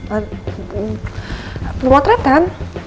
ah belum matretan